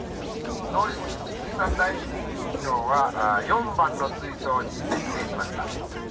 農林水産大臣賞は４番の水槽に決定しました。